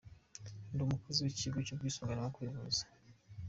Ndi umukozi w’ikigo cy’ubwisungane mu kwivuza.